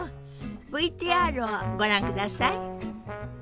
ＶＴＲをご覧ください。